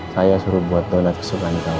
saya suruh buat donat kesukaan kamu